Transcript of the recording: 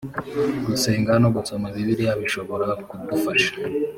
gusenga no gusoma bibiliya bishobora kudufasha